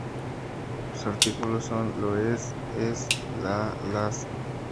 Los artículos son "lo", "es", "la, "las".